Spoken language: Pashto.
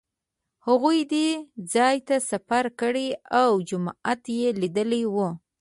هغوی دې ځای ته سفر کړی و او جومات یې لیدلی و.